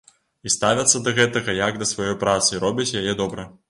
І ставяцца да гэтага як да сваёй працы і робяць яе добра.